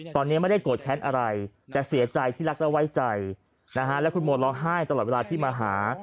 ตอนนี้ไม่ได้โกรธแค้นอะไรแต่เสียใจที่รักและไว้ใจนะฮะและคุณโมร้องไห้ตลอดเวลาที่มาหา